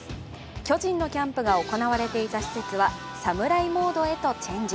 巨人のキャンプが行われていた施設は侍モードへとチェンジ。